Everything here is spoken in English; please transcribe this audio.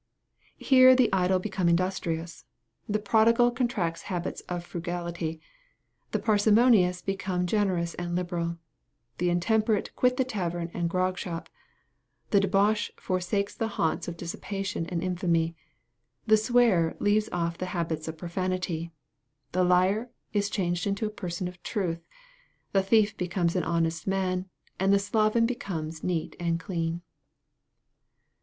Here the idle become industrious, the prodigal contracts habits of frugality, the parsimonious become generous and liberal, the intemperate quit the tavern and the grog shop, the debauchee forsakes the haunts of dissipation and infamy, the swearer leaves off the habits of profanity, the liar is changed into a person of truth, the thief becomes an honest man, and the sloven becomes neat and clean."